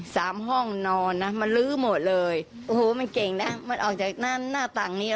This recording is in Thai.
ห้องนอนนะมันลื้อหมดเลยโอ้โหมันเก่งนะมันออกจากหน้าหน้าต่างนี้